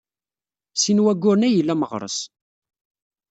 Sin n wayyuren ay ila Meɣres.